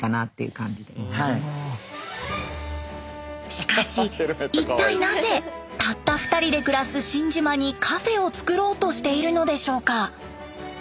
しかし一体なぜたった２人で暮らす新島にカフェを造ろうとしているのでしょうか？